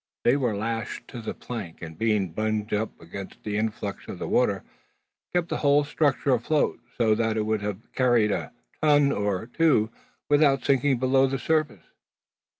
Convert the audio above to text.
They were lashed to the plank; and being bunged up against the influx of the water, kept the whole structure afloat, so that it would have carried a ton or two without sinking below the surface.